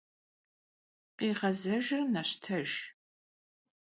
Khiğezejjır neştejj!